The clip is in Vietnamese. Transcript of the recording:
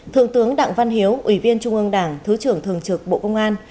thượng tướng đặng văn hiếu ủy viên trung ương đảng thứ trưởng thường trực bộ công an